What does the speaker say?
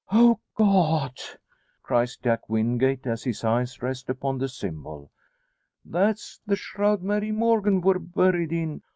"O God!" cries Jack Wingate, as his eyes rest upon the symbol. "That's the shroud Mary Morgan wor buried in!